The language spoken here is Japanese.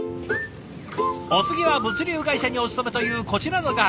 お次は物流会社にお勤めというこちらの画伯。